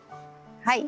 はい。